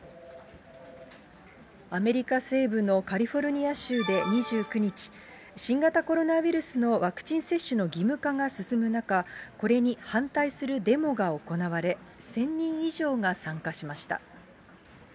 アメリカ西部のカリフォルニア州で２９日、新型コロナウイルスのワクチン接種の義務化が進む中、これに反対するデモが行われ、１０００人以上が参加しました。